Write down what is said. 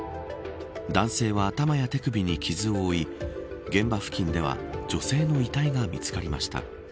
男性は頭や手首に傷を負い現場付近では女性の遺体が見つかりました。